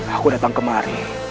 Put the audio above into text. aku datang kemari